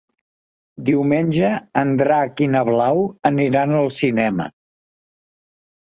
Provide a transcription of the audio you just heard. Diumenge en Drac i na Blau aniran al cinema.